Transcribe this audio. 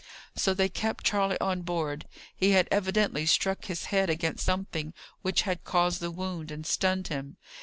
So they kept Charley on board. He had evidently struck his head against something which had caused the wound, and stunned him.